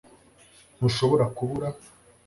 ntushobora kubura